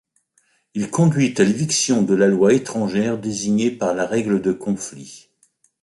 Il conduit à l'éviction de la loi étrangère désignée par la règle de conflit.